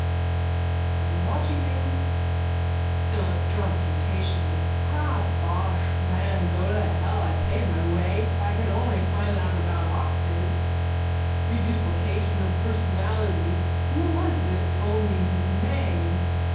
I am watching you. PHILIP DRUNK: (Impatiently.) Ah, bosh, man. Go to hell! I paid my way. If I could only find out about octaves. Reduplication of personality. Who was it told me his name?